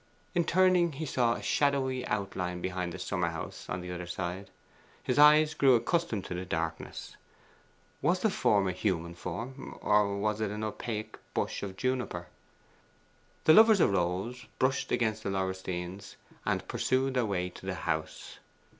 In turning, he saw a shadowy outline behind the summer house on the other side. His eyes grew accustomed to the darkness. Was the form a human form, or was it an opaque bush of juniper? The lovers arose, brushed against the laurestines, and pursued their way to the house.